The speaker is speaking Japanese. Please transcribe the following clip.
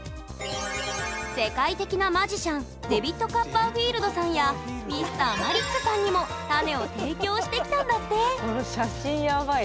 世界的なマジシャンデビッド・カッパーフィールドさんやＭｒ．マリックさんにもこの写真やばい。